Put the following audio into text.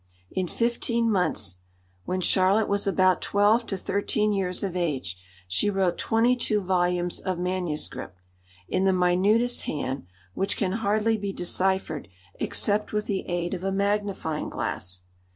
In fifteen months, when Charlotte was about twelve to thirteen years of age, she wrote twenty two volumes of manuscript, in the minutest hand, which can hardly be deciphered except with the aid of a magnifying glass.